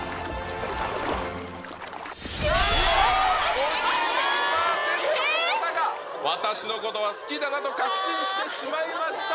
５１％の方が、私のことが好きだなと確信してしまいました。